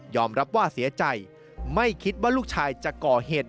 รับว่าเสียใจไม่คิดว่าลูกชายจะก่อเหตุ